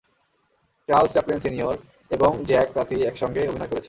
Charles Chaplin senior এবং Jacques Tati একসাথে অভিনয় করেছেন।